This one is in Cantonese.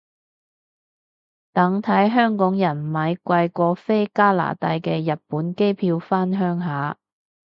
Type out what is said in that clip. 等睇香港人買貴過飛加拿大嘅日本機票返鄉下